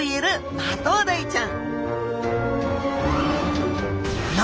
マトウダイちゃん。